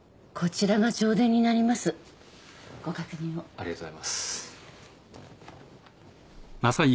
ありがとうございます。